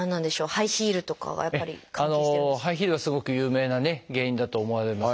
ハイヒールはすごく有名な原因だと思われます。